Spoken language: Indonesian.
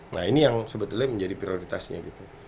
nah ini yang sebetulnya menjadi prioritasnya gitu